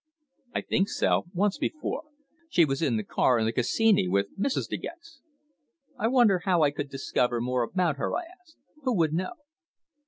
"I think so once before. She was in the car in the Cascine with Mrs. De Gex." "I wonder how I could discover more about her?" I asked. "Who would know?"